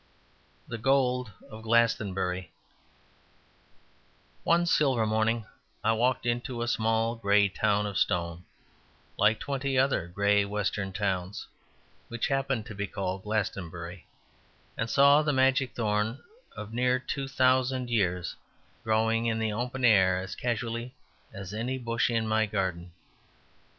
The Gold of Glastonbury One silver morning I walked into a small grey town of stone, like twenty other grey western towns, which happened to be called Glastonbury; and saw the magic thorn of near two thousand years growing in the open air as casually as any bush in my garden.